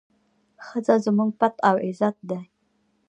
ښځه زموږ پت او عزت دی.